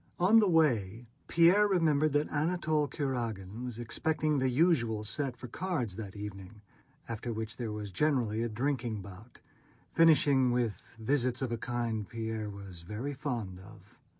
On the way Pierre remembered that Anatole Kurágin was expecting the usual set for cards that evening, after which there was generally a drinking bout, finishing with visits of a kind Pierre was very fond of.